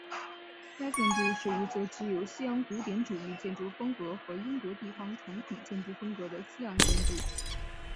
该建筑是一座具有西洋古典主义建筑风格和英国地方传统建筑风格的西洋建筑。